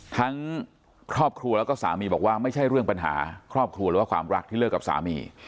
ทั้งครอบครัวแล้วก็สามีบอกว่าไม่ใช่เรื่องปัญหาครอบครัวหรือว่าความรักที่เลิกกับสามี